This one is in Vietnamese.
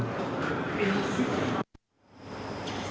chào quý vị